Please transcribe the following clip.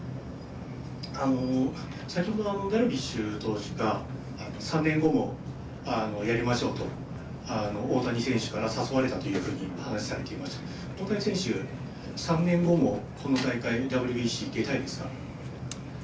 最初、ダルビッシュ投手が３年後もやりましょうと大谷選手から誘われたというふうに話されていましたけど、大谷選手、３年後もこの大会、出たいですね。